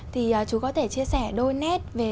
thì chú có thể chia sẻ đôi nét về